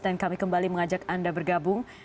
dan kami kembali mengajak anda bergabung